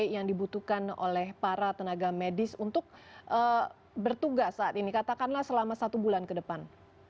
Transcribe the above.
yang dibutuhkan oleh para tenaga medis untuk bertugas saat ini katakanlah selama satu bulan ke depan